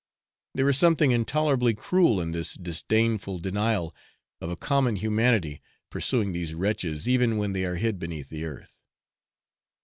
There is something intolerably cruel in this disdainful denial of a common humanity pursuing these wretches even when they are hid beneath the earth.